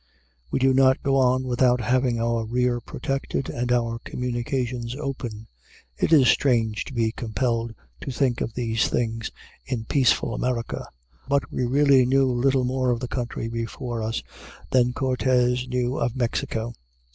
We do not go on without having our rear protected and our communications open. It is strange to be compelled to think of these things in peaceful America. But we really knew little more of the country before us than Cortés knew of Mexico.